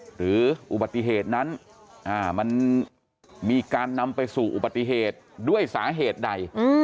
หรืออุบัติเหตุนั้นมันมีการนำไปสู่อุบัติเหตุด้วยสาเหตุใด